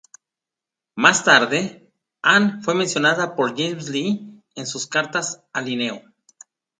Más tarde, Anne fue mencionada por James Lee en sus cartas a Linneo.